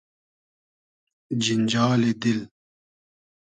جینجالی دیل